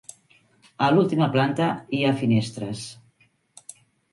A l'última planta hi ha finestres.